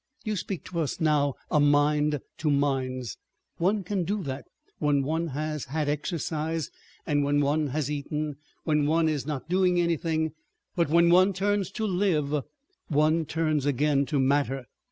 You speak to us now a mind to minds—one can do that when one has had exercise and when one has eaten, when one is not doing anything—but when one turns to live, one turns again to matter."